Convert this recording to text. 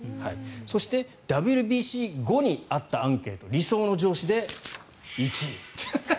そして、ＷＢＣ後にあったアンケート理想の上司で１位。